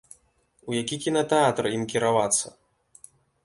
У які кінатэатр ім кіравацца?